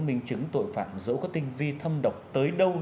minh chứng tội phạm dẫu có tinh vi thâm độc tới đâu